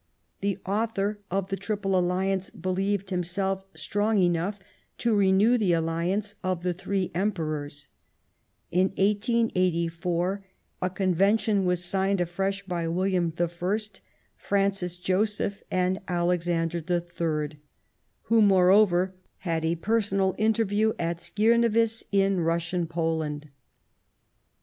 The author of the Triple Alliance believed himself strong enough to renew the Alliance of the three Emperors. In 1884 a convention was signed afresh by Wil liam I, Francis Joseph and Alexander III, who moreover had a personal interview at Skierniwice, in Russian Poland.